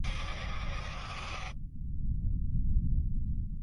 Le Plan